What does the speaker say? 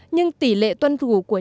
nhưng tỷ lệ tuân thủ của nhân dân